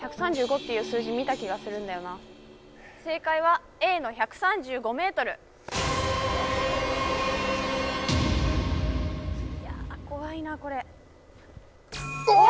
１３５っていう数字見た気がするんだよな正解はＡの１３５ｍや怖いなこれおお！